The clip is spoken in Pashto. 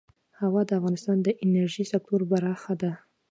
هوا د افغانستان د انرژۍ سکتور برخه ده.